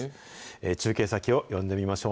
中継先を呼んでみましょう。